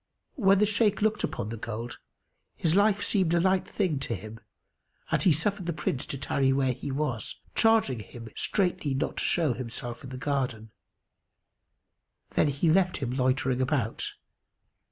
When the Shaykh looked upon the gold, his life seemed a light thing to him[FN#283] and he suffered the Prince to tarry where he was, charging him straitly not to show himself in the garden. Then he left him loitering about.